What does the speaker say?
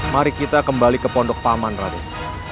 mari kita kembali ke pondok taman raden